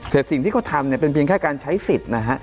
แต่สิ่งที่เขาทำเนี่ยเป็นเพียงแค่การใช้สิทธิ์นะฮะ